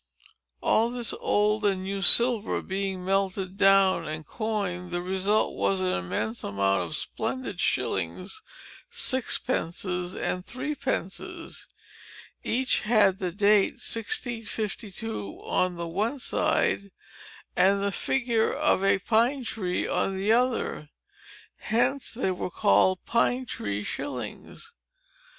All this old and new silver being melted down and coined, the result was an immense amount of splendid shillings, sixpences, and threepences. Each had the date, 1652, on the one side, and the figure of a pine tree on the other. Hence they were called pine tree shillings.